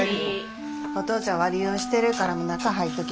お父ちゃん悪酔いしてるから中入っとき。